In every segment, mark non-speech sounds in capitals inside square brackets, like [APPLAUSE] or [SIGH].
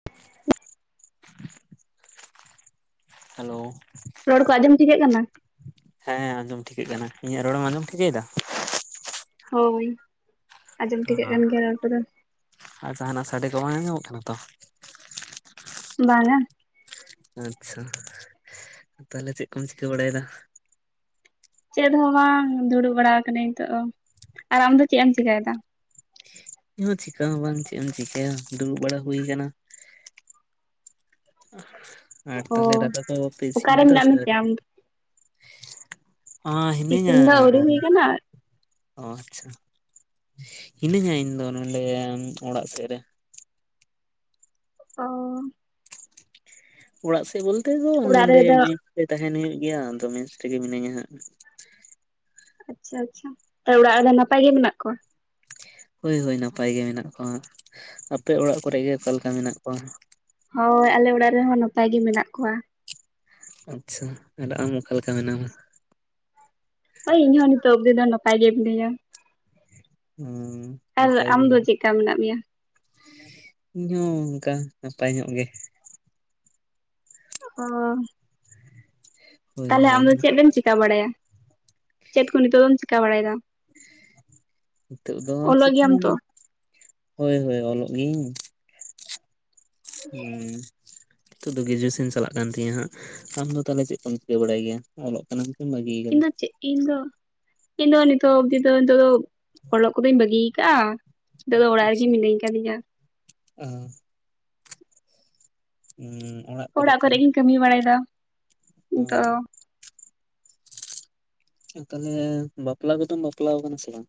[UNINTELLIGIBLE] Hello ᱨᱚᱲ ᱠᱚ ᱟᱸᱡᱚᱢ ᱴᱷᱤᱠᱟᱹᱜ ᱠᱟᱱᱟ? ᱦᱮᱸ ᱟᱸᱡᱚᱢ ᱴᱷᱤᱠᱟᱹᱜ ᱠᱟᱱᱟ। ᱤᱧᱟᱹᱜ ᱨᱚᱲᱮᱢ ᱟᱸᱡᱚᱢ ᱴᱷᱤᱠᱟᱹᱭᱮᱫᱟ? ᱦᱳᱭ ᱟᱸᱡᱚᱢ ᱴᱷᱤᱠᱟᱹᱜ ᱠᱟᱱ ᱜᱮᱭᱟ ᱨᱚᱲ ᱠᱚᱫᱚ। ᱟᱨ ᱡᱟᱦᱟᱱᱟᱜ ᱥᱟᱰᱮ ᱠᱚ ᱵᱟᱝ ᱟᱸᱡᱚᱢᱚᱜ ᱠᱟᱱᱟ ᱛᱚ? ᱵᱟᱝᱟ ᱟᱪᱪᱷᱟ ᱛᱟᱦᱟᱞᱮ ᱪᱮᱫ ᱠᱚᱢ ᱪᱤᱠᱟᱹ ᱵᱟᱲᱟᱭᱮᱫᱟ? ᱪᱮᱫ ᱦᱚᱸ ᱵᱟᱝ ᱫᱩᱲᱩᱵ ᱵᱟᱲᱟ ᱟᱠᱟᱱᱟᱧ ᱱᱤᱛᱚᱜ ᱫᱚ ᱟᱨ ᱟᱢ ᱫᱚ ᱪᱮᱫ ᱮᱢ ᱪᱤᱠᱟᱭᱮᱫᱟ? ᱤᱧ ᱦᱚᱸ ᱪᱤᱠᱟ ᱦᱚᱸ ᱵᱟᱝ ᱪᱮᱫ ᱮᱢ ᱪᱤᱠᱟᱹᱭᱟ ᱫᱩᱲᱩᱵ ᱵᱟᱲᱟ ᱦᱩᱭ ᱟᱠᱟᱱᱟ। ᱟᱨ ᱚ ᱛᱟᱦᱟᱞᱮ ᱫᱟᱠᱟ ᱠᱚ ᱯᱮ ᱤᱥᱤᱱ ᱚᱠᱟᱨᱮ ᱠᱮᱫᱟ ᱢᱮᱱᱟᱜ ᱥᱮ ᱢᱮᱛᱮ ᱟᱹᱣᱨᱤ? ᱟᱢ ᱫᱚ? ᱚᱸᱻ ᱦᱤᱱᱟᱹᱧᱟ ᱤᱥᱤᱱ ᱫᱚ ᱟᱹᱣᱨᱤ ᱦᱩᱭ ᱠᱟᱱᱟ ᱚ ᱟᱪᱪᱷᱟ ᱦᱤᱱᱟᱹᱧᱟ ᱤᱧ ᱫᱚ ᱱᱚᱰᱮ ᱚᱲᱟᱜ ᱥᱮᱫ ᱨᱮ। ᱚ ᱚᱲᱟᱜ ᱥᱮᱫ ᱵᱚᱞᱛᱮ ᱫᱚ ᱱᱚᱰᱮ ᱚᱲᱟᱜ ᱨᱮᱫᱚ ᱢᱮᱥ ᱨᱮ ᱛᱟᱦᱮᱱ ᱦᱩᱭᱩᱜ ᱜᱮᱭᱟ ᱟᱫᱚ ᱢᱮᱥ ᱨᱮᱜᱮ ᱢᱤᱱᱟᱹᱧᱟ ᱦᱟᱸᱜ। ᱟᱪᱪᱷᱟ ᱟᱪᱪᱷᱟ ᱛᱚ ᱚᱲᱟᱜ ᱨᱮᱫᱚ ᱱᱟᱯᱟᱭ ᱜᱮ ᱢᱮᱱᱟᱜ ᱠᱚᱣᱟ? ᱦᱳᱭ ᱦᱳᱭ ᱱᱟᱯᱟᱭ ᱜᱮ ᱢᱮᱱᱟᱜ ᱠᱚᱣᱟ ᱦᱟᱸᱜ ᱟᱯᱮ ᱚᱲᱟᱜ ᱠᱚᱨᱮᱜ ᱜᱮ ᱚᱠᱟᱞᱮᱠᱟ ᱢᱮᱱᱟᱜ ᱠᱚᱣᱟ? ᱦᱳᱭ ᱟᱞᱮ ᱚᱲᱟᱜ ᱨᱮᱦᱚᱸ ᱱᱟᱯᱟᱭ ᱜᱮ ᱢᱮᱱᱟᱜ ᱠᱚᱣᱟ। ᱟᱪᱪᱷᱟ ᱟᱨ ᱟᱢ ᱚᱠᱟᱞᱮᱠᱟ ᱢᱮᱱᱟᱢᱟ? ᱦᱳᱭ ᱤᱧᱦᱚᱸ ᱱᱤᱛᱚᱜ ᱚᱵᱫᱤ ᱫᱚ ᱱᱟᱯᱟᱭ ᱜᱮ ᱢᱤᱱᱟᱹᱧᱟ। ᱦᱩᱸ ᱟᱨ ᱱᱟᱯᱟᱭ ᱟᱢ ᱜᱮ ᱫᱚ ᱪᱮᱫᱠᱟ ᱢᱮᱱᱟᱜ ᱢᱮᱭᱟ? ᱤᱧ ᱦᱚᱸ ᱚᱱᱠᱟ ᱱᱟᱯᱟᱭ ᱧᱚᱜ ᱜᱮ। ᱚ ᱦᱳᱭ ᱛᱟᱦᱟᱞᱮ ᱦᱳᱭ ᱟᱢᱫᱚ ᱪᱮᱫ ᱮᱢ ᱪᱮᱠᱟ ᱵᱟᱲᱟᱭᱟ᱾ ᱪᱮᱫ ᱠᱚ ᱱᱤᱛᱚᱜ ᱫᱚᱢ ᱪᱮᱠᱟ ᱵᱟᱲᱟᱭᱮᱫᱟ? ᱱᱤᱛᱳᱜ ᱫᱚ ᱚᱞᱚᱜ ᱪᱤᱠᱟ ᱜᱮᱭᱟᱢ ᱦᱚᱸ ᱛᱚ? ᱵᱟᱝ᱾ ᱦᱳᱭ ᱦᱳᱭ ᱚᱞᱚᱜ ᱜᱤᱭᱟᱹᱧ। ᱦᱩᱸ ᱱᱤᱛᱚᱜ ᱫᱚ ᱜᱨᱮᱡᱩᱭᱮᱥᱚᱱ ᱪᱟᱞᱟᱜ ᱠᱟᱱ ᱛᱤᱧᱟᱹ ᱦᱟᱸᱜ᱾ ᱟᱢ ᱫᱚ ᱛᱟᱦᱟᱞᱮ ᱪᱮᱫ ᱠᱚᱢ ᱪᱤᱠᱟᱹ ᱵᱟᱲᱟᱭ ᱜᱮᱭᱟ? ᱚᱞᱚᱜ ᱠᱟᱱᱟᱢ ᱥᱮᱢ ᱵᱟᱹᱜᱤ ᱤᱧ ᱠᱟᱫᱟ? ᱫᱚ ᱪᱮᱫ ᱤᱧ ᱫᱚ, ᱤᱧ ᱫᱚ ᱱᱤᱛᱚᱜ ᱚᱵᱫᱤ ᱫᱚ ᱱᱤᱛᱚᱜ ᱫᱚ ᱚᱞᱚᱜ ᱠᱚᱫᱚᱧ ᱵᱟᱹᱜᱤ ᱟᱠᱟᱜᱼᱟ। ᱱᱤᱛᱚᱜ ᱫᱚ ᱚᱲᱟᱜ ᱨᱮᱜᱮ ᱢᱤᱱᱟᱹᱧ ᱠᱟᱫᱤᱧᱟ। [UNINTELLIGIBLE] ᱦᱮᱸ ᱚᱲᱟᱜ ᱚᱲᱟᱜ ᱠᱚᱨᱮ ᱜᱤᱧ ᱠᱟᱹᱢᱤ ᱵᱟᱲᱟᱭᱮᱫᱟ ᱚ ᱱᱤᱛᱚᱜ ᱫᱚ। ᱟᱨ ᱛᱟᱦᱟᱞᱮ ᱵᱟᱯᱞᱟ ᱠᱚᱛᱚᱢ ᱵᱟᱯᱞᱟᱣ ᱠᱟᱱᱟ ᱥᱮ ᱵᱟᱝ?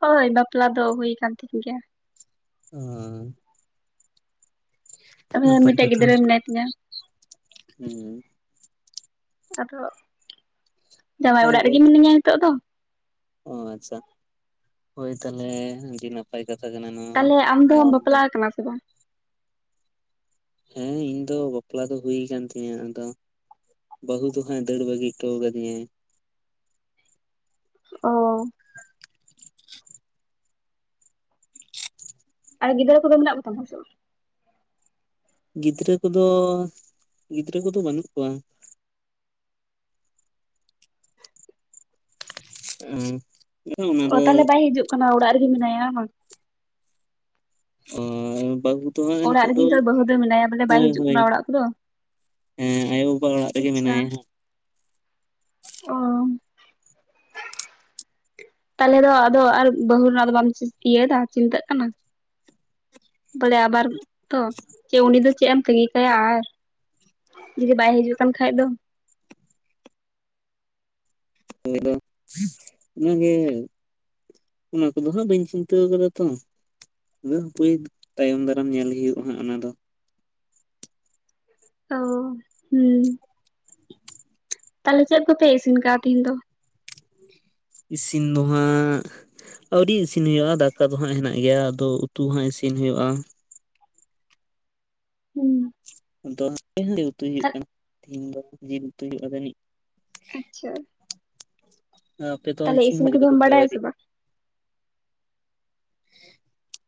ᱦᱳᱭ ᱵᱟᱯᱞᱟ ᱫᱚ ᱦᱩᱭ ᱟᱠᱟᱱ ᱛᱤᱧ ᱜᱮᱭᱟ। [UNINTELLIGIBLE] ᱟᱫᱚ ᱱᱟᱯᱟᱭ ᱢᱤᱫᱴᱮᱡ ᱠᱟᱛᱷᱟ ᱜᱤᱫᱽᱨᱟᱹ ᱢᱮᱱᱟᱭ ᱛᱤᱧᱟ ᱦᱩᱸ ᱟᱫᱚ ᱡᱟᱶᱟᱭ ᱦᱳᱭ ᱚᱲᱟᱜ ᱦᱳᱭ ᱨᱤᱜᱤ ᱢᱤᱱᱟᱹᱧᱟ ᱱᱤᱛᱚᱜ ᱫᱚ ᱚ ᱟᱪᱪᱷᱟ ᱦᱳᱭ ᱛᱟᱦᱚᱞᱮ ᱟᱹᱰᱤ ᱱᱟᱯ ᱯᱟᱭ ᱠᱟᱛᱷᱟ ᱠᱟᱱᱟ ᱱᱚᱣᱟ ᱛᱟᱦᱚᱞᱮ ᱟᱢ ᱫᱚᱢ ᱦᱚᱸ ᱵᱟᱯᱞᱟᱣ ᱠᱟᱱᱟ ᱥᱮ ᱵᱟᱝ ᱦᱮᱸ ᱤᱧ ᱫᱚ ᱵᱟᱯᱞᱟ ᱫᱚ ᱦᱩᱭ ᱠᱟᱱ ᱛᱤᱧᱟᱹ ᱟᱫᱚ ᱵᱟᱹᱦᱩ ᱫᱚ ᱦᱟᱸᱜ ᱫᱟᱹᱲ ᱵᱟᱜᱤ ᱴᱚ ᱠᱟᱹᱫᱤᱧᱟᱭ ᱚ ᱟᱨ ᱜᱤᱫᱽᱨᱟᱹ ᱠᱚᱫᱚ ᱢᱮᱱᱟᱜ ᱠᱚᱛᱟᱢᱟ ᱥᱮ ᱵᱟᱝ ᱜᱤᱫᱽᱨᱟᱹ ᱠᱚᱫᱚ ᱜᱤᱫᱽᱨᱟᱹ ᱠᱚᱫᱚ ᱵᱟᱹᱱᱩᱜ ᱠᱚᱣᱟ ᱩᱸ ᱚ ᱛᱟᱦᱚᱞᱮ ᱵᱟᱭ ᱦᱤᱡᱩᱜ ᱠᱟᱱᱟ ᱚᱲᱟᱜ ᱨᱮᱜᱮ ᱢᱮᱱᱟᱭᱟ ᱵᱟᱝ ᱚ ᱵᱟᱦᱩ ᱚᱲᱟᱜ ᱨᱮᱜᱮ ᱛᱚ ᱵᱟᱹᱦᱩ ᱫᱚ ᱢᱮᱱᱟᱭᱟ ᱵᱚᱞᱮ ᱵᱟᱭ ᱦᱤᱡᱩᱜ ᱦᱳᱭ ᱠᱟᱱᱟ ᱚᱲᱟᱜ ᱠᱚᱫᱚ ᱦᱮᱸ ᱟᱭᱳᱵᱟᱵᱟ ᱚᱲᱟᱜ ᱨᱮᱜᱮ ᱟᱪᱪᱷᱟ ᱢᱮᱱᱟᱭᱟ ᱦᱟᱸᱜ ᱚ [INAUDIBLE] ᱛᱟᱦᱚᱞᱮ ᱫᱚ ᱟᱫᱚ ᱟᱨ ᱵᱟᱹᱦᱩ ᱨᱮᱱᱟᱜ ᱫᱚ ᱵᱟᱢ ᱪᱤᱛ ᱤᱭᱟᱹᱫᱟ ᱪᱤᱱᱛᱟᱹᱜ ᱠᱟᱱᱟ ᱵᱚᱞᱮ ᱟᱵᱟᱨ ᱛᱚ ᱪᱮ ᱩᱱᱤ ᱫᱚ ᱪᱮᱜ ᱮᱢ ᱛᱟᱹᱝᱜᱤ ᱠᱟᱭᱟ ᱟᱨ ᱡᱩᱫᱤ ᱵᱟᱭ ᱦᱤᱡᱩᱜ ᱠᱟᱱ ᱠᱷᱟᱡ ᱫᱚ ᱩᱱᱤᱫᱚ ᱚᱱᱟᱜᱮ ᱚᱱᱟ ᱠᱚᱫᱚ ᱦᱟᱸᱜ ᱵᱟᱹᱧ ᱪᱤᱱᱛᱟᱹᱣ ᱠᱟᱫᱟ ᱛᱚ ᱟᱫᱚᱯᱟᱹᱭ ᱛᱟᱭᱚᱢ ᱫᱟᱨᱟᱢ ᱧᱮᱞ ᱦᱩᱭᱩᱜᱼᱟ ᱦᱟᱸᱜ ᱚᱱᱟ ᱫᱚ ᱚ ᱦᱩᱸ ᱛᱟᱦᱚᱞᱮ ᱪᱮᱫ ᱠᱚᱯᱮ ᱤᱥᱤᱱ ᱠᱟᱜᱼᱟ ᱛᱤᱦᱤᱧ ᱫᱚ ᱤᱥᱤᱱ ᱫᱚ ᱦᱟᱸᱜ ᱟᱹᱣᱨᱤ ᱤᱥᱤᱱ ᱦᱩᱭᱩᱜᱼᱟ ᱫᱟᱠᱟ ᱫᱚ ᱦᱟᱸᱜ ᱦᱮᱱᱟᱜ ᱜᱮᱭᱟ ᱟᱫᱚ ᱩᱛᱩ ᱦᱟᱸᱜ ᱤᱥᱤᱱ ᱦᱳᱭᱳᱜᱼᱟ ᱦᱩᱸ ᱟᱫᱚ [UNINTELLIGIBLE] ᱩᱛᱩᱭ ᱦᱩᱭᱩᱜ ᱠᱟᱱᱟ ᱛᱤᱦᱤᱧ ᱫᱚ ᱡᱤᱞ ᱩᱛᱩᱭ ᱦᱩᱭᱩᱜᱼᱟ ᱡᱟᱹᱱᱤᱡ ᱟᱪᱪᱷᱟ ᱟᱯᱮ ᱫᱚ ᱛᱟᱦᱞᱮ ᱤᱥᱤᱱ ᱵᱟᱲᱟ ᱠᱮᱫᱟᱯᱮ ᱠᱚᱫᱚᱢ ᱥᱮ ᱵᱟᱰᱟᱭᱟ ᱟᱹᱣᱨᱤ ᱵᱟᱝ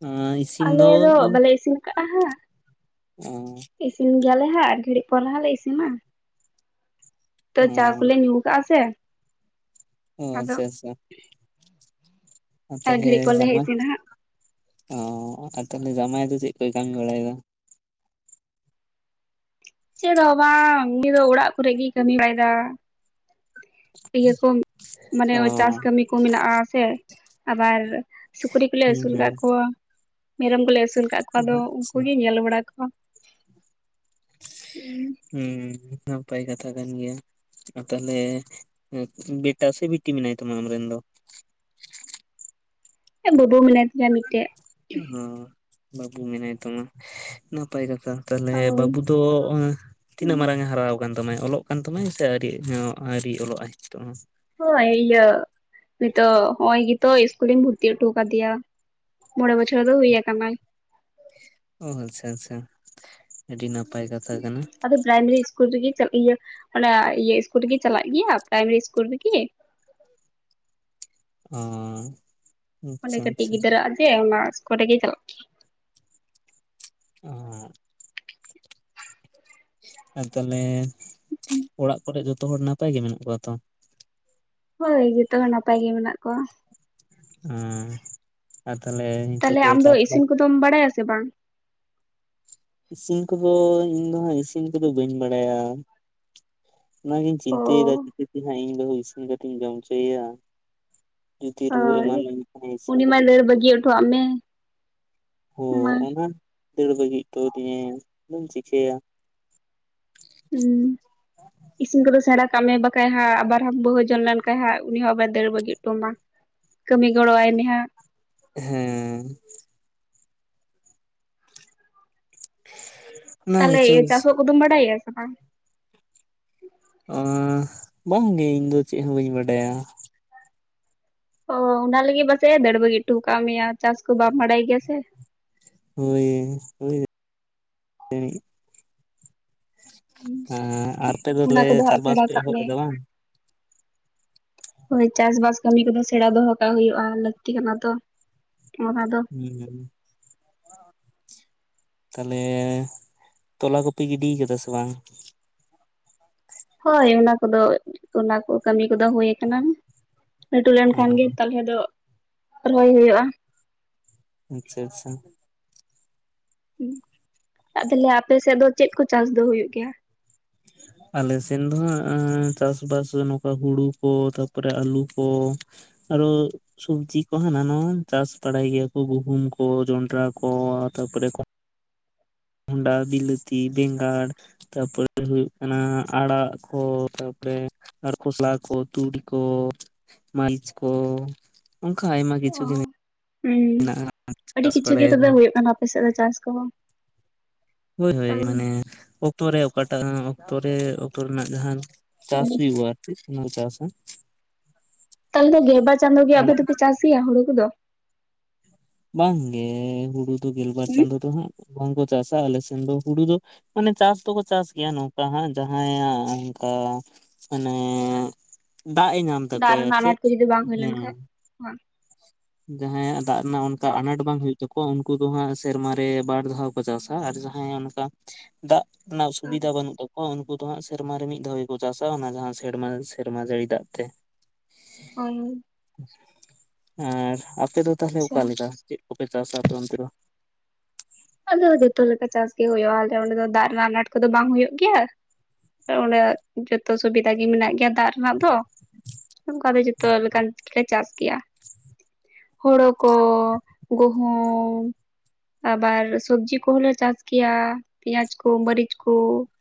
[UNINTELLIGIBLE] ᱟᱞᱮ ᱫᱚ ᱵᱟᱞᱮ ᱤᱥᱤᱱ ᱠᱟᱜᱼᱟ ᱦᱟᱸᱜ ᱩᱸ ᱤᱥᱤᱱ ᱜᱮᱭᱟᱞᱮ ᱦᱟᱸᱜ ᱟᱨ ᱜᱷᱟᱹᱲᱤᱡ ᱯᱚᱨᱮ ᱦᱟᱸᱜ ᱞᱮ ᱤᱥᱤᱱᱟ ᱛᱚ ᱪᱟᱣ ᱠᱚᱞᱮ ᱧᱩ ᱠᱟᱜᱼᱟ ᱥᱮ ᱚ ᱟᱫᱚ ᱟᱪᱪᱷᱟ ᱟᱪᱪᱷᱟ ᱟ ᱟᱨ ᱛᱟᱦᱚᱞᱮ ᱜᱷᱟᱹᱲᱤᱡ ᱯᱚᱨ ᱞᱮ ᱡᱟᱢᱟᱭ ᱫᱚ ᱤᱥᱤᱱᱟ ᱦᱟᱸᱜ ᱚ ᱟᱨ ᱛᱟᱦᱚᱞᱮ ᱡᱟᱢᱟᱭ ᱫᱚ ᱪᱮᱫ ᱠᱚᱭ ᱠᱟᱹᱢᱤ ᱵᱟᱲᱟᱭᱮᱫᱟ ᱪᱮᱫ ᱦᱚᱸ ᱵᱟᱝ ᱩᱱᱤ ᱫᱚ ᱚᱲᱟᱜ ᱠᱚᱨᱮᱜ ᱜᱤ ᱠᱟᱹᱢᱤ ᱵᱟᱲᱟᱭᱮᱫᱟ ᱤᱭᱟᱹ ᱠᱚ ᱢᱟᱱᱮ ᱚ ᱪᱟᱥ ᱠᱟᱹᱢᱤ ᱠᱚ ᱢᱮᱱᱟᱜᱼᱟ ᱥᱮ ᱟᱵᱟᱨ ᱥᱩᱠᱨᱤ ᱠᱚᱞᱮ ᱦᱩᱸ ᱟᱹᱥᱩᱞ ᱦᱩᱸ ᱠᱟᱜ ᱠᱚᱣᱟ ᱢᱮᱨᱚᱢ ᱠᱚᱞᱮ ᱟᱹᱥᱩᱞ ᱠᱟᱜ ᱠᱚᱣᱟ ᱟᱫᱚ ᱟᱪᱪᱷᱟ ᱩᱱᱠᱩᱜᱤᱭ ᱧᱮᱞ ᱵᱟᱲᱟ ᱠᱚᱣᱟ ᱦᱩᱸ ᱱᱟᱯᱟᱭ ᱠᱟᱛᱷᱟ ᱠᱟᱱ ᱜᱮᱭᱟ ᱟᱨ ᱛᱟᱦᱚᱞᱮ ᱵᱮᱴᱟ ᱥᱮ ᱵᱤᱴᱤ ᱢᱮᱱᱟᱭ ᱛᱟᱢᱟ ᱟᱢᱨᱮᱱ ᱫᱚ ᱦᱮᱸ ᱵᱟᱹᱵᱩ ᱢᱮᱱᱟᱭ ᱛᱤᱧᱟ ᱢᱤᱫᱴᱮᱡ ᱦᱚᱸ ᱵᱟᱹᱵᱩ ᱢᱮᱱᱟᱭ ᱛᱟᱢᱟ ᱱᱟᱯᱟᱭ ᱠᱟᱛᱷᱟ ᱛᱟᱦᱞᱮ ᱳᱭ ᱵᱟᱹᱵᱩ ᱫᱚ ᱛᱤᱱᱟᱹᱜ ᱢᱟᱨᱟᱝᱮ ᱦᱟᱨᱟᱣ ᱠᱟᱱ ᱛᱟᱢᱟᱭ ᱚᱞᱚᱜ ᱠᱟᱱ ᱛᱟᱢᱟᱭ ᱥᱮ ᱟᱹᱨᱤ ᱦᱚᱸ ᱟᱹᱨᱤ ᱚᱞᱚᱜ ᱟᱭ ᱱᱤᱛᱚᱜ ᱦᱚᱸ ᱦᱳᱭ ᱤᱭᱟᱹ ᱱᱤᱛᱚᱜ ᱦᱚᱜᱼᱚᱭ ᱜᱮᱛᱚ ᱤᱥᱠᱩᱞᱤᱧ ᱵᱷᱩᱨᱛᱤ ᱦᱚᱴᱚ ᱠᱟᱫᱮᱭᱟ ᱢᱚᱬᱮ ᱵᱚᱪᱷᱚᱨᱮ ᱦᱩᱭ ᱠᱟᱱᱟᱭ ᱚ ᱟᱪᱪᱷᱟ ᱟᱪᱪᱷᱟ ᱟᱹᱰᱤ ᱱᱟᱯᱟᱭ ᱠᱟᱛᱷᱟ ᱠᱟᱱᱟ ᱟᱫᱚ ᱯᱨᱟᱭᱢᱤᱨᱤ ᱤᱥᱠᱩᱞ ᱨᱤᱜᱤ ᱤᱭᱟᱹ ᱚᱱᱟ ᱤᱭᱟᱹ ᱤᱥᱠᱩᱞ ᱨᱤᱜᱤ ᱪᱟᱞᱟᱜ ᱜᱤᱭᱟ ᱯᱨᱟᱭᱢᱤᱨᱤ ᱤᱥᱠᱩᱞ ᱨᱤᱜᱤ [UNINTELLIGIBLE] ᱚᱱᱰᱮ ᱟᱪᱪᱷᱟ ᱠᱟᱹᱴᱤᱡ ᱟᱪᱪᱷᱟ ᱜᱤᱫᱽᱨᱟᱹ ᱡᱮ ᱚᱱᱟ ᱤᱥᱠᱩᱞ ᱨᱤᱜᱤ ᱪᱟᱞᱟᱜ [UNINTELLIGIBLE] ᱟᱨ ᱛᱟᱦᱞᱮ ᱚᱲᱟᱜ ᱠᱚᱨᱮ ᱡᱚᱛᱚ ᱦᱚᱲ ᱱᱟᱯᱟᱭ ᱜᱮ ᱢᱮᱱᱟᱜ ᱠᱚᱣᱟ ᱛᱚ ᱦᱳᱭ ᱡᱚᱛᱚ ᱦᱚᱲ ᱱᱟᱯᱟᱭ ᱜᱮ ᱢᱮᱱᱟᱜ ᱠᱚᱣᱟ ᱮᱸ ᱟᱨ ᱛᱟᱦᱞᱮ ᱱᱤᱛᱚᱜ ᱫᱚ ᱪᱟᱥ ᱵᱟᱥ ᱛᱚᱢ ᱵᱟᱲᱟᱭᱟ ᱥᱮ ᱵᱟᱝ ᱤᱥᱤᱱ ᱠᱚᱫᱚ ᱤᱧ ᱫᱚ ᱦᱟᱸᱜ ᱤᱥᱤᱱ ᱠᱚ ᱫᱚ ᱵᱟᱹᱧ ᱵᱟᱲᱟᱭᱟ ᱚᱱᱟ ᱜᱤᱧ ᱚ ᱪᱤᱱᱛᱟᱹᱭ ᱫᱟ ᱪᱤᱠᱟᱹᱛᱮ ᱦᱟᱸᱜ ᱤᱧ ᱵᱟᱹᱦᱩ ᱤᱥᱤᱱ ᱠᱟᱛᱮᱧ ᱡᱚᱢ ᱪᱚᱭᱟ ᱡᱩᱫᱤ ᱨᱩᱣᱟᱹ ᱦᱳᱭ ᱮᱢᱟᱱ ᱞᱮᱱ ᱠᱷᱟᱡ ᱮ ᱤᱥᱤᱱ ᱩᱱᱤ ᱢᱟᱭ ᱠᱟᱛᱮ ᱫᱟᱹᱲ ᱵᱟᱹᱜᱤ ᱚᱴᱚᱣᱟᱜ ᱢᱮ ᱦᱚ ᱢᱟ ᱚᱱᱟ ᱫᱟᱹᱲ ᱵᱟᱹᱜᱤ ᱚᱴᱚ ᱫᱤᱧᱮ ᱟᱫᱚᱢ ᱪᱤᱠᱟᱹᱭᱟ [UNINTELLIGIBLE] ᱤᱥᱤᱱ ᱠᱚᱫᱚ ᱥᱮᱬᱟ ᱠᱟᱜ ᱢᱮ ᱵᱟᱠᱷᱟᱡ ᱦᱟᱸᱜ ᱟᱵᱟᱨ ᱦᱟᱢ ᱵᱟᱹᱦᱩ ᱡᱚᱱ ᱞᱮᱱᱠᱷᱟᱡ ᱦᱟᱸᱜ ᱩᱱᱤ ᱦᱚᱸ ᱵᱟᱭ ᱫᱟᱹᱲ ᱵᱟᱹᱜᱤ ᱚᱴᱚ‌ ᱢᱟ ᱠᱟᱹᱢᱤ ᱜᱚᱬᱚ ᱣᱟᱭ ᱢᱮ ᱦᱟᱸᱜ ᱦᱮᱸ ᱦᱮᱸᱻ [INAUDIBLE] ᱛᱟᱞᱦᱮ ‌ᱪᱟᱥᱚᱜ ᱠᱚᱫᱚᱢ ᱵᱟᱲᱟᱭᱮᱜᱟ ᱥᱮ ᱵᱟᱝ ᱟᱸᱻ ᱵᱟᱝ ᱜᱤ ᱤᱧ ᱫᱚ ᱪᱮᱫ ᱦᱚᱸ ᱵᱟᱹᱧ ᱵᱟᱰᱟᱭᱟ ᱚ ᱚᱱᱟ ᱞᱟᱹᱜᱤᱫ ᱵᱟᱥᱮᱡ ᱫᱟᱹᱲ ᱵᱟᱹᱜᱤ ᱩᱴᱩ ᱟᱠᱟᱫ ᱢᱮᱭᱟ ᱪᱟᱥ ᱠᱚ ᱵᱟᱢ ᱵᱟᱲᱟᱭ ᱜᱮᱭᱟ ᱥᱮ ᱦᱳᱭ [UNINTELLIGIBLE] ᱮᱸ ᱟᱨ ᱛᱮᱫ ᱚᱱᱟ ᱫᱚᱞᱮ ᱠᱚᱫᱚ ᱪᱟ ᱦᱟᱸᱜ ᱵᱟᱥ ᱥᱮᱬᱟ ᱯᱮ ᱠᱟᱜ ᱮᱦᱚᱵ ᱢᱮ ᱠᱮᱫᱟ ᱵᱟᱝ ᱦᱳᱭ ᱪᱟᱥ ᱵᱟᱥ ᱠᱟᱹᱢᱤ ᱠᱚᱫᱚ ᱥᱮᱬᱟ ᱫᱚᱦᱚ ᱠᱟᱜ ᱦᱳᱭᱳᱜᱼᱟ ᱞᱟᱹᱠᱛᱤ ᱠᱟᱱᱟ ᱛᱚ ᱚᱱᱟ ᱫᱚ [UNINTELLIGIBLE] ᱛᱟᱦᱞᱮ ᱛᱚᱞᱟ ᱠᱚ ᱯᱮ ᱜᱤᱰᱤ ᱠᱟᱫᱟ ᱥᱮ ᱵᱟᱝ ᱦᱳᱭ ᱚᱱᱟ ᱠᱚᱫᱚ ᱚᱱᱟ ᱠᱚ ᱠᱟᱹᱢᱤ ᱠᱚᱫᱚ ᱦᱳᱭ ᱟᱠᱟᱱᱟ᱾ ᱟᱹᱰᱤ ᱜᱟᱱ ᱚ ᱛᱟᱞᱦᱮ ᱫᱚ ᱨᱚᱦᱚᱭ ᱦᱳᱭᱳᱜᱼᱟ᱾ ᱟᱪᱪᱷᱟ ᱟᱪᱪᱷᱟ ᱛᱟᱦᱞᱮ ᱟᱯᱮ ᱥᱮᱫ ᱫᱚ ᱪᱮᱫ ᱠᱚ ᱪᱟᱥ ᱫᱚ ᱦᱳᱭᱳᱜ ᱜᱮᱭᱟ? [INAUDIBLE] ᱟᱞᱮ ᱥᱮᱫ ᱫᱚ ᱦᱟᱸᱜ ᱪᱟᱥ ᱵᱟᱥ ᱱᱚᱝᱠᱟ ᱦᱩᱲᱩ ᱠᱚ, ᱛᱟᱯᱚᱨᱮ ᱟᱹᱞᱩ ᱠᱚ᱾ ᱟᱨ‌‌ ᱚ ᱥᱚᱵᱽᱡᱤ ᱠᱚ ᱦᱟᱱᱟ ᱱᱟᱣᱟ ᱪᱟᱥ ᱵᱟᱲᱟᱭ ᱜᱮᱭᱟ ᱠᱚ ᱜᱩᱦᱩᱢ ᱠᱚ ᱡᱚᱸᱱᱰᱨᱟ ᱠᱚ ᱛᱟᱯᱚ ᱨᱮ ᱵᱷᱚᱲᱟ, ᱵᱤᱞᱟᱹᱛᱤ, ᱵᱮᱸᱜᱟᱲ ᱛᱟᱯᱚᱨᱮ ᱦᱩᱭᱩᱜ ᱠᱟᱱᱟ ᱟᱲᱟᱜ ᱠᱚ ᱛᱟᱯᱚᱨᱮ ᱟᱨ ᱠᱷᱚᱥᱞᱟ ᱠᱚ, ᱛᱩᱲᱤ ᱠᱚ, ᱢᱟᱹᱨᱤᱪ ᱠᱚ ᱚᱱᱟ ᱠᱚ ᱟᱭᱢᱟ ᱠᱤᱪᱷᱩ ᱦᱮᱸ ᱢᱮᱱᱟᱜᱼᱟ ᱟᱹᱰᱤ ᱪᱟᱥ ᱠᱤᱪᱷᱩ ᱜᱮ ᱛᱚᱵᱮ ᱵᱟᱲᱟᱭᱟᱠᱚ ᱦᱳᱭᱳᱜ ᱠᱟᱱᱟ ᱟᱯᱮ ᱥᱮᱫ ᱫᱚ ᱪᱟᱥ ᱠᱚᱦᱚᱸ ᱦᱳᱭ ᱦᱳᱭ ᱛᱟᱦᱚᱞᱮ ᱢᱟᱱᱮ ᱚᱠᱛᱚ ᱨᱮ ᱚᱠᱟ ᱴᱟᱜ ᱚᱠᱛᱚ ᱨᱮ ᱚᱠᱛᱚ ᱨᱮᱱᱟᱜ ᱡᱟᱦᱟ ᱪᱟᱥ ᱦᱩᱭᱩᱜᱼᱟ ᱟᱨ ᱠᱤ ᱚᱱᱟ ᱪᱟᱥ ᱦᱚᱸ ᱛᱟᱞᱦᱮ ᱫᱚ ᱜᱮᱞ ᱵᱟᱨ ᱪᱟᱸᱫᱳ ᱜᱮ ᱟᱯᱮ ᱫᱚᱯᱮ ᱪᱟᱥ ᱜᱮᱭᱟ ᱦᱳᱲᱳ ᱠᱚᱫᱚ? ᱵᱟᱝ ᱜᱮ ᱦᱩᱲᱩ ᱫᱚ ᱜᱮᱞ ᱵᱟᱨ ᱪᱟᱸᱫᱳ ᱫᱚ ᱦᱟᱸᱜ ᱵᱟᱝ ᱠᱚ ᱪᱟᱥᱼᱟ ᱟᱞᱮ ᱥᱮᱱ ᱫᱚ ᱦᱩᱲᱩ ᱫᱚ ᱢᱟᱱᱮ ᱪᱟᱥ ᱫᱚᱠᱚ ᱪᱟᱥ ᱜᱮᱭᱟ ᱱᱚᱝᱠᱟ ᱦᱟᱸᱜ ᱡᱟᱦᱟᱸᱭ ᱟᱜ ᱚᱱᱠᱟ ᱢᱟᱱᱮ ᱫᱟᱜ ᱮ ᱧᱟᱢ ᱫᱟᱜ ᱛᱟᱠᱚᱣᱟᱭ ᱟᱨ ᱨᱮᱱᱟᱜ ᱪᱮᱫ ᱟᱱᱟᱸᱴ ᱠᱚ ᱡᱩᱫᱤ ᱵᱟᱝ ᱦᱩᱭ ᱞᱮᱱ ᱠᱷᱟᱡ ᱡᱟᱦᱟᱸᱭ ᱟᱜ ᱫᱟᱜ ᱨᱮᱱᱟᱜ ᱚᱱᱠᱟ ᱟᱱᱟᱴ ᱵᱟᱝ ᱦᱩᱭᱩᱜ ᱛᱟᱠᱚᱣᱟ ᱩᱱᱠᱩ ᱫᱚ ᱦᱟᱸᱜ ᱥᱮᱨᱢᱟ ᱨᱮ ᱵᱟᱨ ᱫᱷᱟᱣ ᱠᱚ ᱪᱟᱥ-ᱟ ᱟᱨ ᱡᱟᱦᱟᱸᱭ ᱟᱜ ᱫᱟᱜ ᱨᱮᱱᱟᱜ ᱥᱩᱵᱤᱫᱷᱟ ᱵᱟᱹᱱᱩᱜ ᱛᱟᱠᱚᱣᱟ ᱩᱱᱠᱩ ᱫᱚ ᱦᱟᱸᱜ ᱥᱮᱨᱢᱟᱨᱮ ᱢᱤᱫ ᱫᱷᱟᱣ ᱜᱮ ᱠᱚ ᱪᱟᱥᱟᱼᱟ ᱚᱱᱟ ᱡᱟᱦᱟᱸ ᱥᱮᱨᱢᱟ ᱥᱮᱨᱢᱟ ᱡᱟᱹᱲᱤ ᱫᱟᱜ ᱛᱮ᱾ ᱦᱳᱭ ᱦᱳᱭ ᱟᱨ ᱟᱯᱮ ᱫᱚ ᱛᱟᱦᱞᱮ ᱚᱠᱟ ᱞᱮᱠᱟ ᱪᱮᱫ ᱠᱚᱯᱮ ᱪᱟᱥᱟ ᱟᱯᱮ ᱚᱱᱛᱮ ᱫᱚ? ᱟᱫᱚ ᱡᱚᱛᱚ ᱞᱮᱠᱟ ᱪᱟᱥ ᱜᱮ ᱦᱩᱭᱩᱜᱼᱟ ᱟᱞᱮ ᱚᱸᱰᱮ ᱫᱚ ᱫᱟᱜ ᱨᱮᱱᱟᱜ ᱟᱱᱟᱴ ᱠᱚᱫᱚ ᱵᱟᱝ ᱦᱩᱭᱩᱜ ᱜᱮᱭᱟ᱾ ᱛᱚ ᱚᱸᱰᱮ ᱡᱚᱛᱚ ᱥᱩᱵᱤᱫᱷᱟ ᱜᱮ ᱢᱮᱱᱟᱜ ᱜᱮᱭᱟ ᱫᱟᱜ ᱨᱮᱱᱟᱜ ᱫᱚ᱾ ᱚᱱᱠᱟ ᱫᱚ ᱡᱚᱛᱚ ᱞᱮᱠᱟᱱ ᱜᱮᱞᱮ ᱪᱟᱥ ᱜᱮᱭᱟ᱾ ᱦᱳᱲᱳ ᱠᱚ ᱜᱩᱦᱩᱢ ᱟᱵᱟᱨ ᱥᱚᱵᱽᱡᱤ ᱠᱚᱦᱚᱸᱞᱮ ᱪᱟᱥ ᱜᱮᱭᱟ᱾ ᱯᱮᱸᱭᱟᱡᱽ ᱠᱚ ᱢᱟᱹᱨᱤᱪ ᱠᱚ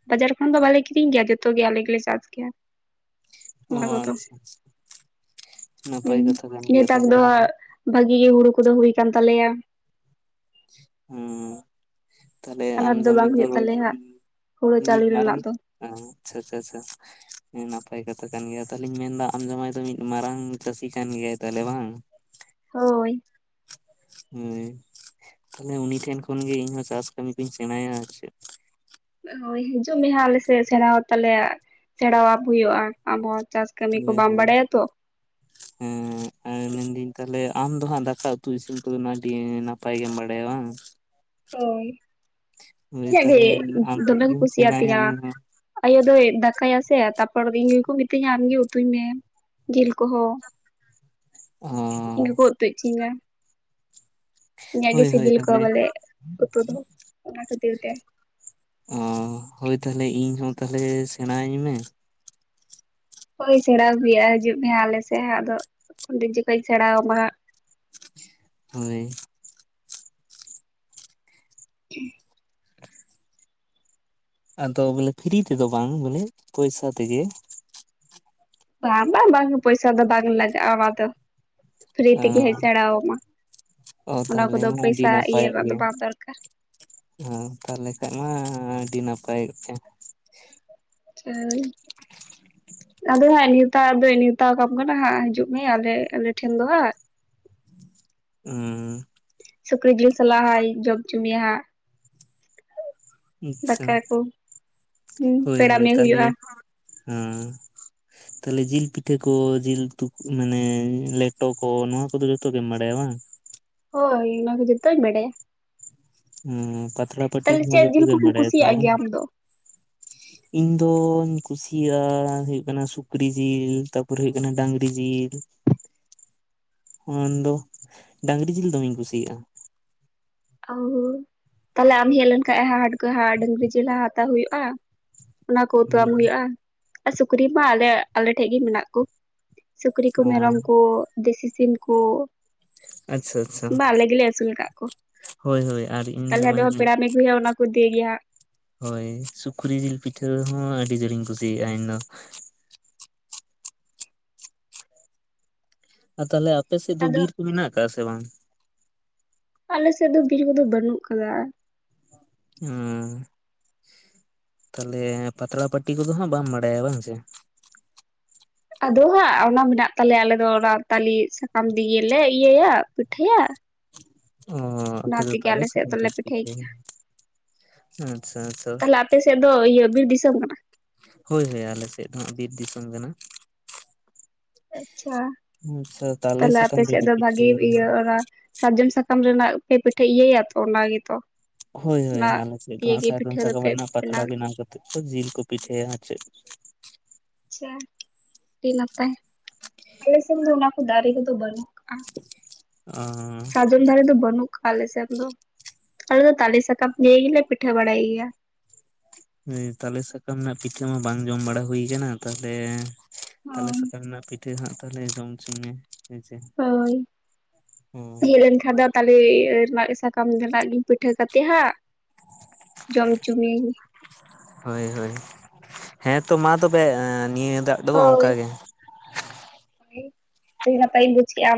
ᱵᱟᱡᱟᱨ ᱠᱷᱚᱱ ᱫᱚ ᱵᱟᱞᱮ ᱠᱤᱨᱤᱧ ᱜᱮᱭᱟ ᱡᱚᱛᱚ ᱜᱮ ᱟᱞᱮ ᱜᱮᱞᱮ ᱪᱟᱥ ᱜᱮᱭᱟ᱾ ᱚ ᱚᱱᱟ ᱠᱚᱫᱚ ᱟᱪᱷᱟ ᱱᱟᱯᱟᱭ ᱦᱩᱸ ᱠᱟᱛᱷᱟ ᱠᱟᱱ ᱜᱮᱭᱟ ᱱᱮᱛᱟᱨ ᱛᱟᱦᱚᱞᱮ ᱫᱚ ᱟᱢ ᱦᱟᱸᱜ ᱵᱷᱟᱜᱤ ᱜᱮ ᱦᱩᱲᱩ ᱠᱚᱫᱚ ᱦᱩᱭ ᱠᱟᱱ ᱛᱟᱞᱮᱭᱟ᱾ ᱦᱚᱸ ᱛᱟᱦᱞᱮ ᱟᱢ ᱟᱱᱟᱴ ᱫᱚ ᱵᱟᱝ ᱦᱩᱭᱩᱜ [INAUDIBLE] ᱫᱚ ᱛᱟᱞᱮᱭᱟ ᱦᱟᱸᱜ ᱦᱩᱲᱩ ᱢᱤᱫ ᱪᱟᱣᱞᱮ ᱢᱟᱨᱟᱝ ᱨᱮᱱᱟᱜ ᱫᱚ ᱚ ᱟᱪᱪᱷᱟ ᱟᱪᱪᱷᱟ ᱟᱪᱪᱷᱟ ᱱᱟᱯᱟᱭ ᱠᱟᱛᱷᱟ ᱠᱟᱱ ᱜᱮᱭᱟ, ᱛᱟᱦᱚᱞᱮᱧ ᱢᱮᱱᱫᱟ ᱟᱢ ᱡᱟᱶᱟᱭ ᱫᱚ ᱢᱤᱫ ᱢᱟᱨᱟᱝ ᱪᱟᱹᱥᱤ ᱠᱟᱱ ᱜᱮᱭᱟᱭ ᱛᱟᱦᱚᱞᱮ ᱵᱟᱝ? ᱦᱳᱭ ᱦᱮᱸ ᱛᱟᱦᱞᱮ ᱩᱱᱤ ᱴᱷᱮᱱ ᱠᱷᱚᱱᱜᱮ ᱤᱧ ᱪᱟᱥ ᱠᱟᱹᱢᱤ ᱠᱩᱧ ᱥᱮᱬᱟᱭᱟ ᱟᱨ ᱪᱮᱫ ᱳᱭ ᱦᱤᱡᱩᱜ ᱢᱮ ᱦᱟᱸᱜ ᱟᱞᱮᱥᱮᱫ ᱥᱮᱬᱟ ᱛᱟᱞᱮᱭᱟ ᱥᱮᱬᱟᱣᱟ ᱦᱩᱭᱩᱜᱼᱟ ᱟᱢ ᱦᱚᱸ᱾ ᱪᱟᱥ ᱠᱟᱹᱢᱤ ᱠᱚ ᱦᱳᱭ ᱵᱟᱢ ᱦᱳᱭ ᱵᱟᱲᱟᱭᱟ ᱛᱚ ᱦᱳᱭ ᱟᱨ ᱢᱮᱱᱫᱟᱹᱧ ᱛᱟᱦᱚᱞᱮ ᱟᱢ ᱫᱚ ᱦᱟᱜ ᱫᱟᱠᱟ ᱩᱛᱩ ᱤᱥᱤᱱ ᱠᱚᱫᱚ ᱟᱹᱰᱤ ᱱᱟᱯᱟᱭ ᱜᱮᱢ ᱵᱟᱲᱟᱭᱟ ᱵᱟᱝ? ᱦᱳᱭ ᱦᱳᱭ ᱤᱧᱟᱹᱜ ᱜᱮ ᱛᱟᱦᱚᱞᱮ ᱟᱢ ᱴᱷᱮᱡ ᱫᱚᱢᱮ ᱠᱚ ᱜᱤᱧ ᱥᱮᱬᱟᱭᱟ ᱠᱩᱥᱤᱭᱟᱛᱤᱧᱟᱹ ᱤᱧᱦᱚᱸ ᱟᱭᱳ ᱫᱚᱭ ᱫᱟᱠᱟᱭᱟ ᱥᱮ ᱛᱟᱯᱚᱨ ᱫᱚ ᱤᱧ ᱜᱮᱠᱚ ᱢᱤᱛᱟᱹᱧᱟ ᱟᱢᱜᱮ ᱩᱛᱩᱭ ᱢᱮ ᱡᱤᱞ ᱠᱚᱦᱚᱸ ᱚ ᱤᱱᱟᱹ ᱯᱚᱨ ᱠᱚᱛᱪᱤᱧᱟ ᱤᱧᱟᱹᱜ ᱜᱮ ᱦᱳᱭ ᱦᱳᱭ ᱥᱤᱵᱤᱞ ᱛᱟᱦᱚᱞᱮ ᱠᱚᱣᱟ ᱵᱚᱞᱮ ᱩᱛᱩ ᱫᱚ ᱚᱱᱟ ᱠᱷᱟᱹᱛᱤᱨ ᱛᱮ᱾ ᱚ ᱦᱳᱭ ᱛᱟᱦᱚᱞᱮ ᱤᱧ ᱦᱚᱸ ᱛᱟᱦᱚᱞᱮ ᱥᱮᱬᱟᱹᱧ ᱢᱮ? ᱦᱳᱭ ᱥᱮᱬᱟ ᱦᱩᱭᱩᱜᱼᱟ ᱦᱤᱡᱩᱜ ᱢᱮ ᱦᱟᱸᱜ ᱟᱞᱮ ᱥᱮ ᱟᱫᱚ ᱩᱱ ᱡᱚᱠᱷᱚᱡ ᱤᱧ ᱥᱮᱬᱟ ᱟᱢᱟ ᱦᱟᱸᱜ᱾ ᱦᱳᱭ ᱴᱷᱤᱠ [INAUDIBLE] ᱟᱫᱚ ᱵᱚᱞᱮ ᱯᱷᱤᱨᱤ ᱛᱮᱫᱚ ᱵᱟᱝ ᱵᱚᱞᱮ ᱯᱚᱭᱥᱟ ᱛᱮᱜᱮ᱾ ᱵᱟᱝ ᱵᱟᱝ ᱵᱟᱝ ᱯᱚᱭᱥᱟ ᱫᱚ ᱵᱟᱝ ᱞᱟᱜᱟᱜᱼᱟ ᱟᱫᱚ ᱯᱷᱨᱤ ᱛᱮᱜᱮ ᱦᱮᱡ ᱥᱮᱬᱟ ᱟᱢᱟ ᱚ ᱚᱱᱟ ᱛᱟᱦᱚᱞᱮ ᱠᱚᱫᱚ ᱯᱚᱭᱥᱟ ᱤᱭᱟᱹ ᱨᱮᱱᱟᱜ ᱫᱚ ᱵᱟᱝ ᱫᱚᱨᱠᱟᱨ ᱚ ᱛᱟᱦᱚᱞᱮ ᱠᱷᱟᱱ ᱢᱟ ᱟᱹᱰᱤ ᱱᱟᱯᱟᱭ ᱛᱮ ᱟᱪᱷᱟ ᱟᱫᱚ ᱦᱟᱸᱜ ᱱᱮᱣᱛᱟ ᱫᱚ ᱱᱮᱣᱛᱟ ᱠᱟᱢ ᱠᱟᱱᱟ ᱦᱟᱸᱜ ᱦᱤᱡᱩᱜ ᱢᱮ ᱟᱞᱮ ᱟᱞᱮ ᱴᱷᱮᱱ ᱫᱚ ᱦᱟᱸᱜ ᱦᱩᱸ ᱥᱩᱠᱨᱤ ᱡᱤᱞ ᱥᱟᱞᱟᱜ ᱦᱟᱸᱜ ᱤᱧ ᱡᱚᱢ ᱦᱚᱪᱚ ᱢᱮᱭᱟ ᱦᱟᱸᱜ ᱟᱪᱷᱟ ᱫᱟᱠᱟ ᱠᱚ ᱦᱩᱸ ᱦᱳᱭ ᱯᱮᱲᱟ ᱦᱳᱭ ᱢᱮ ᱛᱟᱦᱞᱮ ᱦᱩᱭᱩᱜᱼᱟ ᱦᱮᱸ ᱛᱟᱦᱞᱮ ᱡᱤᱞ ᱯᱤᱴᱷᱟᱹ ᱠᱚ ᱡᱤᱞ ᱩᱛᱩ ᱢᱟᱱᱮ ᱞᱮᱴᱚ ᱠᱚ ᱱᱚᱣᱟ ᱠᱚᱫᱚ ᱡᱚᱛᱚ ᱜᱮᱢ ᱵᱟᱲᱟᱭᱟ ᱵᱟᱝ ᱦᱳᱭ ᱚᱱᱟ ᱠᱚ ᱡᱚᱛᱚᱧ ᱵᱟᱰᱟᱭᱟ ᱦᱚᱸ ᱯᱟᱛᱲᱟ ᱯᱚᱴᱤ ᱠᱚ ᱛᱟᱦᱞᱮ ᱦᱚᱸ ᱪᱮᱫ ᱡᱚᱛᱚ ᱡᱤᱞ ᱜᱮᱢ ᱠᱚᱢ ᱵᱟᱰᱟᱭᱟ ᱛᱟᱦᱞᱮ ᱠᱩᱥᱤᱭᱟᱜ ᱵᱟᱝ ᱜᱮᱭᱟ ᱟᱢ ᱫᱚ ᱤᱧ ᱫᱚ ᱤᱧ ᱠᱩᱥᱤᱭᱟᱜᱼᱟ ᱦᱩᱭᱩᱜ ᱠᱟᱱᱟ ᱥᱩᱠᱨᱤ ᱡᱤᱞ ᱛᱟᱨᱯᱚᱨᱮ ᱦᱩᱭᱩᱜ ᱠᱟᱱᱟ ᱰᱟᱝᱨᱤ ᱡᱤᱞ ᱚᱱᱟᱫᱚ ᱰᱟᱝᱨᱤ ᱡᱤᱞ ᱫᱚᱢᱮᱧ ᱠᱩᱥᱤᱭᱟᱜᱼᱟ ᱚ ᱛᱟᱦᱚᱞᱮ ᱟᱢ ᱦᱮᱡ ᱞᱮᱱᱠᱷᱟᱡ ᱦᱟᱴ ᱠᱷᱚᱡ ᱦᱟᱸᱜ ᱰᱟᱝᱨᱤ ᱡᱤᱞ ᱦᱟᱛᱟᱣ ᱦᱩᱭᱩᱜᱼᱟ ᱚᱱᱟ ᱠᱚ ᱩᱛᱩᱣᱟᱢ ᱦᱩᱸ ᱦᱩᱭᱩᱜᱼᱟ ᱟᱨ ᱥᱩᱠᱨᱤ ᱢᱟ ᱟᱞᱮ ᱟᱞᱮ ᱴᱷᱮᱡ ᱜᱮ ᱢᱮᱱᱟᱜ ᱠᱚ ᱥᱩᱠᱨᱤ ᱠᱚ ᱚ ᱢᱮᱨᱚᱢ ᱠᱚ ᱫᱮᱥᱤ ᱥᱤᱢ ᱠᱚ ᱟᱪᱷᱟ ᱟᱪᱷᱟ ᱵᱟ ᱟᱞᱮ ᱜᱮᱞᱮ ᱟᱹᱥᱩᱞ ᱟᱠᱟᱫ ᱠᱚ ᱦᱳᱭ ᱦᱳᱭ ᱟᱨ ᱤᱧ ᱛᱟᱦᱚᱞᱮ ᱫᱚ ᱢᱟᱱᱮ ᱟᱫᱚᱦ ᱯᱮᱲᱟᱢ ᱟᱹᱜᱩ ᱦᱩᱭᱩᱜᱼᱟ ᱚᱱᱟ ᱠᱚ ᱤᱫᱤᱭ ᱜᱮᱭᱟ ᱦᱳᱭ ᱥᱩᱠᱨᱤ ᱡᱤᱞ ᱯᱤᱴᱷᱟᱹ ᱦᱚᱸ ᱟᱹᱰᱤ ᱡᱳᱨᱤᱧ ᱠᱩᱥᱤᱭᱟᱜᱼᱟ ᱤᱧᱫᱚ ᱟᱨ ᱛᱟᱦᱚᱞᱮ ᱟᱯᱮᱥᱮᱫ ᱫᱚ ᱦᱟᱸᱜ ᱟᱫᱚ ᱵᱤᱨ ᱠᱚ ᱢᱮᱱᱟᱜ ᱟᱠᱟᱫᱟ ᱥᱮ ᱵᱟᱝ ᱟᱞᱮᱥᱮᱫ ᱫᱚ ᱵᱤᱨ ᱠᱚᱫᱚ ᱵᱟᱹᱱᱩᱜ ᱟᱠᱟᱫᱟ ᱦᱩᱸ ᱛᱟᱦᱚᱞᱮ ᱯᱟᱛᱲᱟ ᱯᱟᱹᱴᱤ ᱠᱚᱫᱚ ᱦᱟᱸᱜ ᱵᱟᱢ ᱵᱟᱰᱟᱭᱟ ᱵᱟᱝ ᱥᱮ ᱟᱫᱚ ᱦᱟᱸᱜ ᱚᱱᱟ ᱢᱮᱱᱟᱜ ᱛᱟᱞᱮᱭᱟ ᱟᱞᱮ ᱫᱚ ᱚᱱᱟ ᱛᱟᱞᱮ ᱥᱟᱠᱟᱢ ᱫᱤᱭᱮ ᱞᱮ ᱤᱭᱟᱹᱭᱟ ᱯᱤᱴᱷᱟᱹᱭᱟ ᱳ ᱟᱯᱮ ᱚᱱᱟ ᱫᱚ ᱛᱮᱜᱮ ᱛᱟᱞᱮ ᱟᱞᱮ ᱥᱮᱫ ᱥᱟᱠᱟᱢ ᱫᱚᱞᱮ ᱛᱮᱯᱮ ᱯᱤᱴᱷᱟᱹᱭ ᱯᱤᱴᱷᱟᱹᱭᱟ ᱜᱮᱭᱟ ᱟᱪᱪᱷᱟ ᱟᱪᱪᱷᱟ ᱟᱯᱮᱥᱮᱫ ᱫᱚ ᱤᱭᱟᱹ ᱵᱤᱨ ᱫᱤᱥᱚᱢ ᱠᱟᱱᱟ ᱦᱳᱭ ᱦᱳᱭ ᱟᱞᱮ ᱥᱮᱫ ᱫᱚ ᱦᱟᱸᱜ ᱵᱤᱨ ᱫᱤᱥᱚᱢ ᱠᱟᱱᱟ ᱟᱪᱪᱷᱟ ᱟᱪᱪᱷᱟ ᱛᱟᱞᱮ ᱛᱟᱦᱞᱮ ᱟᱯᱮ ᱥᱟᱠᱟᱢ ᱥᱮᱫ ᱨᱮᱜᱮ ᱫᱚ ᱵᱷᱟᱹᱜᱤ ᱯᱤᱴᱷᱟᱹᱭᱟ ᱤᱭᱟᱹ ᱚᱱᱟ ᱥᱟᱨᱡᱚᱢ ᱥᱟᱠᱟᱢ ᱨᱮᱱᱟᱜ ᱯᱮ ᱯᱤᱴᱷᱟᱹ ᱤᱭᱟᱹᱭᱟ ᱛᱚ ᱚᱱᱟᱜᱮᱛᱚ ᱦᱳᱭ ᱦᱳᱭ ᱟᱞᱮᱥᱮᱫ ᱫᱚ ᱦᱟᱸᱜ ᱥᱟᱨᱡᱚᱢ ᱥᱟᱠᱟᱢ ᱫᱚᱯᱮ ᱨᱮᱱᱟᱜ ᱯᱟᱛᱲᱟ ᱜᱮᱭᱟ ᱵᱮᱱᱟᱣ ᱠᱟᱛᱮᱫ ᱠᱚ ᱡᱤᱞ ᱠᱚ ᱯᱤᱴᱷᱟᱹᱭᱟ ᱟᱨ ᱪᱮᱫ ᱟᱪᱪᱷᱟ ᱟᱹᱰᱤ ᱱᱟᱯᱟᱭ ᱟᱞᱮ ᱥᱮᱱ ᱫᱚ ᱚᱱᱟ ᱠᱚ ᱫᱟᱨᱮ ᱠᱚᱫᱚ ᱵᱟᱹᱱᱩᱜ ᱥᱟᱨᱡᱚᱢ ᱚ ᱥᱟᱨᱡᱚᱢ ᱫᱟᱨᱮ ᱫᱚ ᱵᱟᱹᱱᱩᱜ ᱟᱠᱟᱜ-ᱟ ᱟᱞᱮ ᱥᱮᱱ ᱫᱚ ᱟᱞᱮ ᱫᱚ ᱛᱟᱞᱮ ᱥᱟᱠᱟᱢ ᱫᱤᱭᱮ ᱜᱮᱞᱮ ᱯᱤᱴᱷᱟᱹ ᱵᱟᱲᱟᱭ ᱜᱮᱭᱟ ᱦᱳᱭ ᱛᱟᱞᱮ ᱥᱟᱠᱟᱢ ᱨᱮᱱᱟᱜ ᱯᱤᱴᱷᱟᱹ ᱢᱟ ᱵᱟᱝ ᱡᱚᱢ ᱵᱟᱲᱟ ᱦᱩᱭ ᱟᱠᱟᱱᱟ ᱛᱟᱦᱚᱞᱮ ᱛᱟᱞᱮ ᱦᱳᱭ ᱥᱟᱠᱟᱢ ᱨᱮᱱᱟᱜ ᱯᱤᱴᱷᱟᱹ ᱦᱟᱸᱜ ᱛᱟᱦᱚᱞᱮ ᱡᱚᱢ ᱦᱚᱪᱚᱧ ᱢᱮ ᱦᱮᱸ ᱥᱮ᱾ ᱦᱳᱭ ᱦᱮᱡᱞᱮᱱ ᱠᱷᱟᱱ ᱫᱚ ᱛᱟᱞᱮ ᱨᱮᱱᱟᱜ ᱥᱟᱠᱟᱢ ᱨᱮᱱᱟᱜ ᱜᱮ ᱯᱤᱴᱷᱟᱹ ᱠᱟᱛᱮᱫ ᱦᱟᱸᱜ ᱡᱚᱢ ᱚᱪᱩ ᱢᱤᱭᱟᱹᱧ ᱦᱳᱭ ᱦᱳᱭ ᱦᱮᱸ ᱛᱚ ᱢᱟ ᱛᱚᱵᱮ ᱱᱤᱭᱟᱹ ᱫᱟᱜ ᱫᱚ ᱦᱳᱭ ᱚᱱᱠᱟ ᱜᱮ ᱱᱟᱯᱟᱭᱤᱧ ᱵᱩᱡᱽ ᱠᱮᱜ-ᱟ